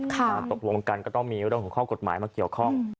ตกลงกันก็ต้องมีเรื่องของข้อกฎหมายมาเกี่ยวข้อง